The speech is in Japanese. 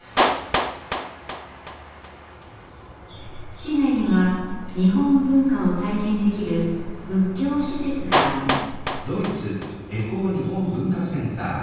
市内には日本文化を体験できる仏教施設があります。